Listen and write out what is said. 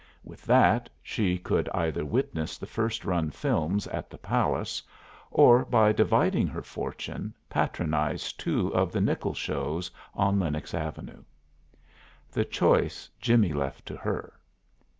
With that she could either witness the first run films at the Palace, or by dividing her fortune patronize two of the nickel shows on Lenox Avenue. The choice Jimmie left to her.